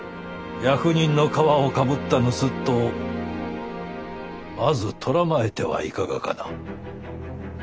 役人の皮をかぶった盗人をまず捕らまえてはいかがかな？